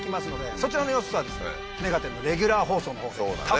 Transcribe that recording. そちらの様子は『目がテン！』のレギュラー放送の方でたっぷり。